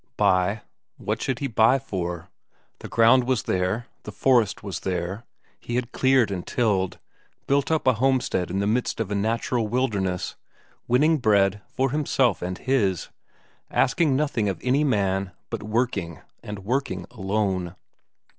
Buy, what should he buy for? The ground was there, the forest was there; he had cleared and tilled, built up a homestead in the midst of a natural wilderness, winning bread for himself and his, asking nothing of any man, but working, and working alone.